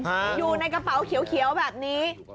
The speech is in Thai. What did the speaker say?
๖๐๐๐๐กับ๗๐๐๐๐อยู่ในกระเป๋าเขียวแบบนี้